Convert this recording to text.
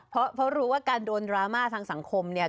เพราะรู้ว่าการโดนดราม่าทางสังคมเนี่ย